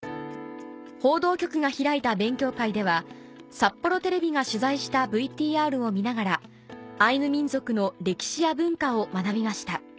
報道局が開いた勉強会では札幌テレビが取材したＶＴＲを見ながらアイヌ民族の歴史や文化を学びました